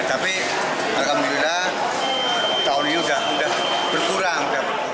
tapi alhamdulillah tahun ini sudah berkurang